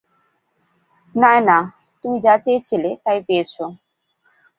নায়না, তুমি যা চেয়েছিলে তাই পেয়েছো।